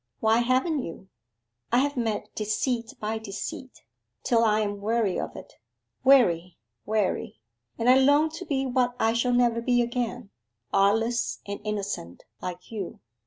'Why haven't you?' 'I have met deceit by deceit, till I am weary of it weary, weary and I long to be what I shall never be again artless and innocent, like you.